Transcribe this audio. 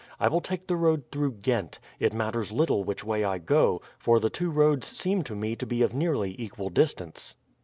I will take the road through Ghent; it matters little which way I go, for the two roads seem to me to be of nearly equal distance."